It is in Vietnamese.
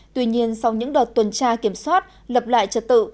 tuy nhiên sau những đợt tuần tra kiểm soát lập lại trật tự